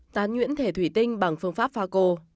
tán nhuyễn thể thủy tinh bằng phương pháp pha cô